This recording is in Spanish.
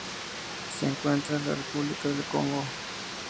Se encuentra la República del Congo.